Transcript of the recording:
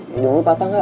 hidung lo patah gak